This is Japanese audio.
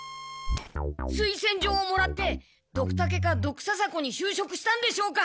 推薦状をもらってドクタケかドクササコに就職したんでしょうか？